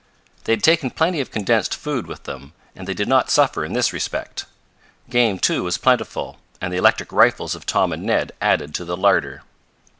They had taken plenty of condensed food with them, and they did not suffer in this respect. Game, too, was plentiful and the electric rifles of Tom and Ned added to the larder.